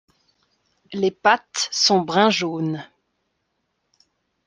Les pattes sont brun jaune.